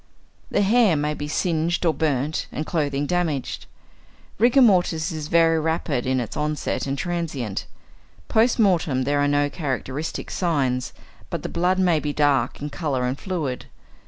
The hair may be singed or burnt and the clothing damaged. Rigor mortis is very rapid in its onset and transient. Post mortem there are no characteristic signs, but the blood may be dark in colour and fluid.